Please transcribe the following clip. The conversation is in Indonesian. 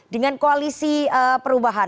dengan koalisi perubahan